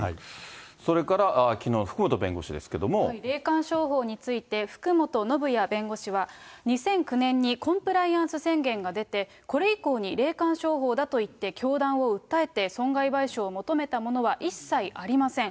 それからきのう、霊感商法について福本修也弁護士は、２００９年にコンプライアンス宣言が出て、これ以降に霊感商法だといって教団を訴えて損害賠償を求めたものは一切ありません。